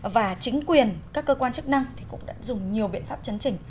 và chính quyền các cơ quan chức năng cũng đã dùng nhiều biện pháp chấn chỉnh